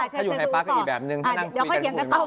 ถ้าอยู่ไทยปาร์คก็อีกแบบนึงถ้านั่งคุยกันคุยกัน